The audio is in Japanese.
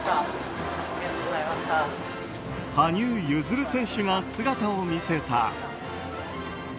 羽生結弦選手が姿を見せた。